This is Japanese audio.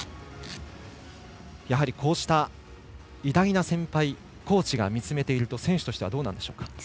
やはり、こうした偉大な先輩、コーチが見つめていると選手としてはどうなんでしょうか。